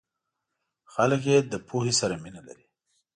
خلک یې له پوهې سره مینه لري.